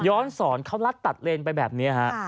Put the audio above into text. ย้อนสอนเขารัดตัดเลนไปแบบนี้